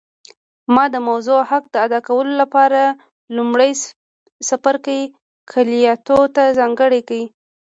ما د موضوع حق ادا کولو لپاره لومړی څپرکی کلیاتو ته ځانګړی کړ